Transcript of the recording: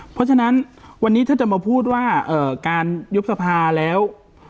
เพราะฉะนั้นวันนี้ถ้าจะมาพูดว่าการยุบสภาแล้ว